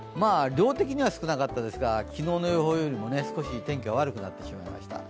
量的には少なかったですが、昨日の予報よりも少し天気が悪くなってしまいました。